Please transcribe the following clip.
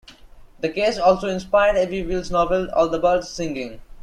The case also inspired Evie Wyld's novel "All The Birds, Singing".